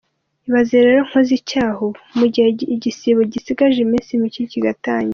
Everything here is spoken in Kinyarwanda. Ibaze rero nkoze icyaha ubu, mu gihe igisibo gisigaje iminsi mike kigatangira?”.